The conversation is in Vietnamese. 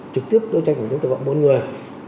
trực tiếp đấu tranh phòng chức tội phạm mỗi người